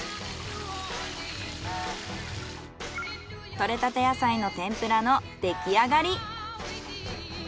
採れたて野菜の天ぷらの出来上がり。